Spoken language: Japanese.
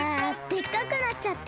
でっかくなっちゃった！